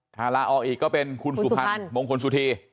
ถ้าล้าออกอีกก็เชียรือคุณสุภัณฑ์มงคลสุธี